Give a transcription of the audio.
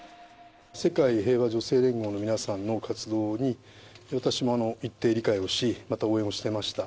世界平和女性連合の皆さんの活動に、私も一定理解をし、また応援をしていました。